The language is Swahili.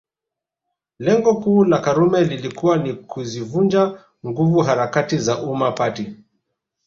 Lengo kuu la Karume lilikuwa ni kuzivunja nguvu harakati za Umma Party